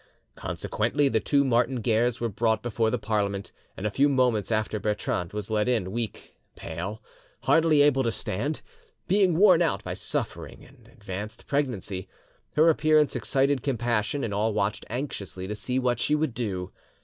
Consequently the two Martin Guerres were brought before the Parliament, and a few moments after Bertrande was led in, weak, pale, hardly able to stand, being worn out by suffering and advanced pregnancy. Her appearance excited compassion, and all watched anxiously to see what she would do.